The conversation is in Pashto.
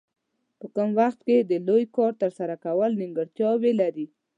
په کم وخت کې د لوی کار ترسره کول نیمګړتیاوې لري.